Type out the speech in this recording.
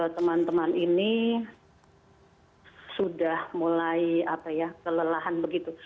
teman teman ini sudah mulai kelelahan begitu